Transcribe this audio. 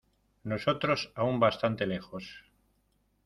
nosotros, aún bastante lejos